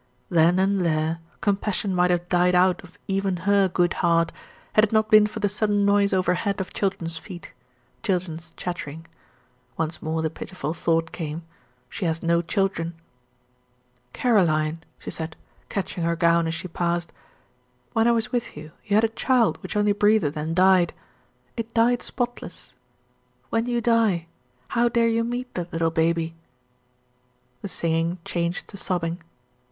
Then and there, compassion might have died out of even her good heart, had it not been for the sudden noise over head of children's feet children's chattering. Once more the pitiful thought came "She has no children." "Caroline," she said, catching her gown as she passed, "when I was with you, you had a child which only breathed and died. It died spotless. When you die, how dare you meet that little baby?" The singing changed to sobbing.